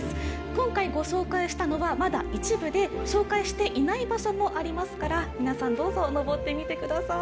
今回ご紹介したのはまだ一部で紹介していない場所もありますから皆さんどうぞ登ってみて下さい。